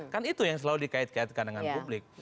kan itu yang selalu dikait kaitkan dengan publik